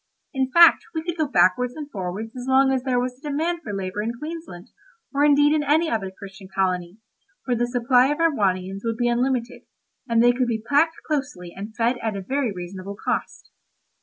In fact we could go backwards and forwards as long as there was a demand for labour in Queensland, or indeed in any other Christian colony, for the supply of Erewhonians would be unlimited, and they could be packed closely and fed at a very reasonable cost.